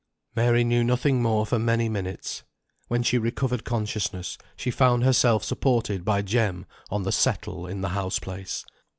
Mary knew nothing more for many minutes. When she recovered consciousness, she found herself supported by Jem on the "settle" in the house place.